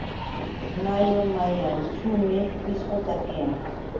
Mayu manyanćhuumi pishqu takiyan.